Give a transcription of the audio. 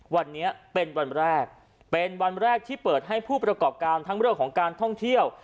วันนี้เป็นวันแรกเป็นวันแรกที่เปิดให้ผู้ประกอบการทั้งเรื่องของการท่องเที่ยว